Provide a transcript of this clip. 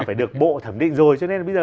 phải được bộ thẩm định rồi cho nên bây giờ